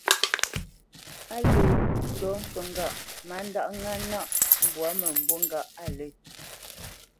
Á lə́ ndɔ́ ncú ŋgâʼ má ndáʼ ŋá nâʼ mbwǎ mə̂mbû ŋgâʼ á lə̂.